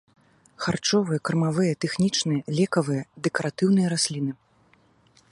Харчовыя, кармавыя, тэхнічныя, лекавыя, дэкаратыўныя расліны.